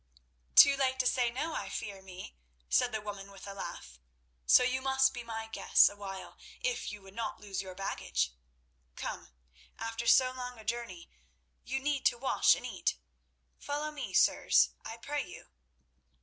"Too late to say no, I fear me," said the woman with a laugh, "so you must be my guests awhile if you would not lose your baggage. Come, after so long a journey you need to wash and eat. Follow me, sirs, I pray you."